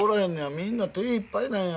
みんな手いっぱいなんや。